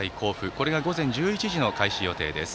これが午前１１時の開始予定です。